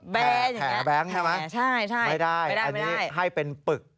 แผ่แบงค์ใช่ไหมแผ่ใช่ไม่ได้ไม่ได้อันนี้ให้เป็นปึก